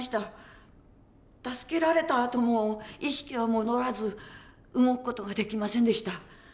助けられたあとも意識は戻らず動く事ができませんでした。